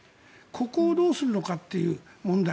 ここをどうするのかという問題。